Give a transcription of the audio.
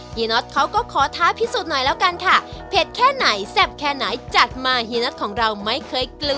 น็อตเขาก็ขอท้าพิสูจน์หน่อยแล้วกันค่ะเผ็ดแค่ไหนแซ่บแค่ไหนจัดมาเฮียน็อตของเราไม่เคยกลัว